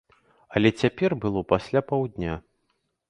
Але цяпер было пасля паўдня.